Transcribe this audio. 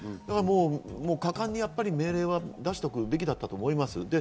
果敢に命令は出しておくべきだったと思います。